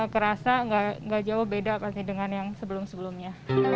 kerasa nggak jauh beda dengan yang sebelum sebelumnya